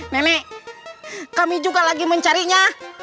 nenek kami juga lagi mencarinya